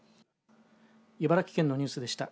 茨城県のニュースでした。